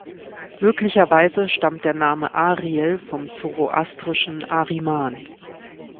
Möglicherweise stammt der Name Ariel vom zoroastrischen Ahriman.